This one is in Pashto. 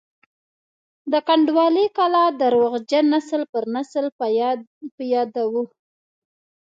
د کنډوالې کلا درواغجن نسل پر نسل په یادو وو.